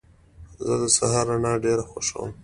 زه د سهار رڼا ډېره خوښوم.